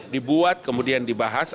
dibuat kemudian dibahas